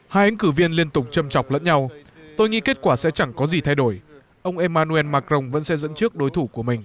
hai ứng cử viên liên tục châm trọc lẫn nhau tôi nghĩ kết quả sẽ chẳng có gì thay đổi ông emmanuel macron vẫn sẽ dẫn trước đối thủ của mình